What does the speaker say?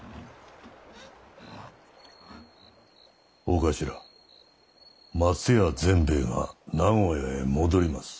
お頭松屋善兵衛が名古屋へ戻ります。